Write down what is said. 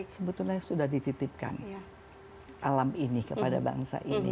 sebetulnya sudah dititipkan alam ini kepada bangsa ini